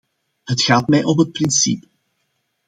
Het gaat mij om het principe.